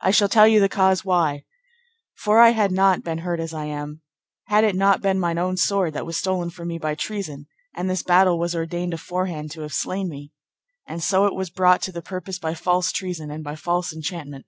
I shall tell you the cause why: for I had not been hurt as I am, had it not been mine own sword, that was stolen from me by treason; and this battle was ordained aforehand to have slain me, and so it was brought to the purpose by false treason, and by false enchantment.